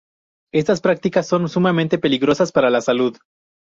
Estas prácticas son sumamente peligrosas para la salud.